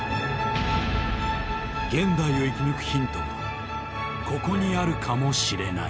現代を生き抜くヒントがここにあるかもしれない。